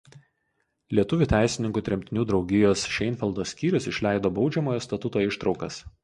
Lietuvių teisininkų tremtinių draugijos Šeinfeldo skyrius išleido "Baudžiamojo statuto" ištraukas.